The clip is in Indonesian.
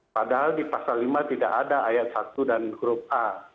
padahal di pasal lima tidak ada ayat satu dan huruf a